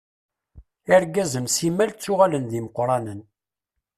Irgazen simmal ttuɣalen d imeqqṛanen.